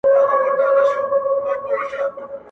خپلو حقدارو ته وسپارئ